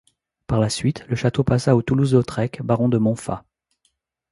Par la suite, le château passa aux Toulouse-Lautrec, baron de Montfa.